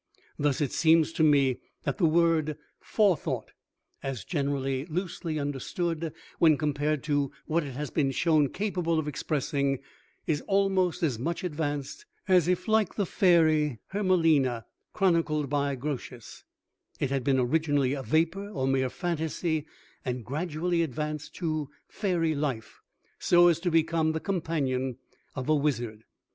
Thus it seems to me that the word Forethought as generally loosely understood, when compared to what it has been shown capable of expressing, is almost as much advanced as if like the fairy HERMELINA, chronicled by GROSIUS, it had been originally a vapor or mere fantasy, and gradually advanced to fairy life so as to become the companion of a wizard.